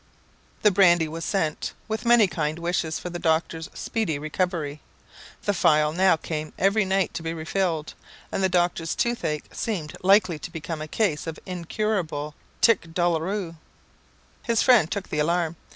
The brandy was sent, with many kind wishes for the doctor's speedy recovery. The phial now came every night to be refilled; and the doctor's toothache seemed likely to become a case of incurable tic douloureux. His friend took the alarm.